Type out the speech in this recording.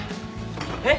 えっ？